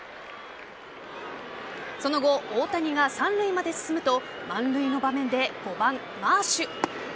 その後、大谷が三塁まで進むと満塁の場面で５番・マーシュ。